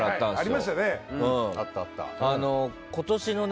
ありましたね。